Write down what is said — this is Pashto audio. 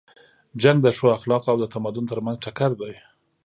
جنګ د ښو اخلاقو او د تمدن تر منځ ټکر دی.